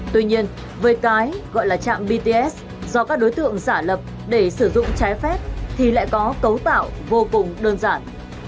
tuy nhiên với cái gọi là trạm bts do các đối tượng giả lập để sử dụng trái phép thì lại có cấu tạo vô cùng đơn giản